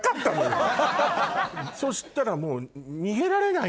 そしたらもう。